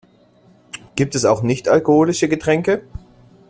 Gibt es auch nicht-alkoholische Getränke?